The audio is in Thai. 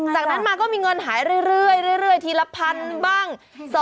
จากนั้นมาก็มีเงินหายเรื่อยทีละพันบ้าง